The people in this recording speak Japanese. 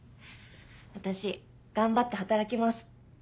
私頑張って働きます。